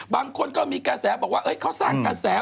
บางคนก็มีการแสวะบอกว่าเขาสั่งการแสวะ